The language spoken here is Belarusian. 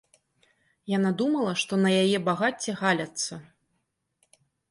Яна думала, што на яе багацце галяцца!